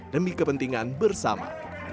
demi kepentingan bersama